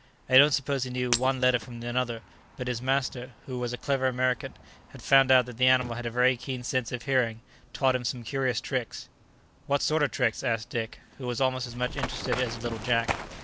I don't suppose he knew one letter from another; but his master, who was a clever American, having found out that the animal had a very keen sense of hearing, taught him some curious tricks." "What sort of tricks?" asked Dick, who was almost as much interested as little Jack.